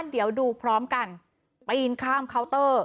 เดี๋ยวดูพร้อมกันปีนข้ามเคาน์เตอร์